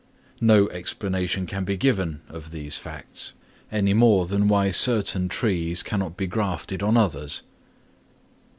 No explanation can be given of these facts, any more than why certain trees cannot be grafted on others.